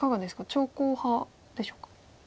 長考派でしょうか。